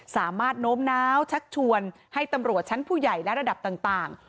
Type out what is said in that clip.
สามารถโน้มน้าวชักชวนให้ตำรวจชั้นผู้ใหญ่และระดับต่าง